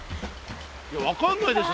いや分かんないでしょ